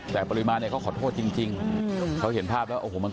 แต่ปริมาณเค้าขอโทษจริงเค้าเห็นภาพแล้วโอ้โหมันก็น้อยจริง